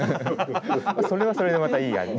それはそれでまたいい案で。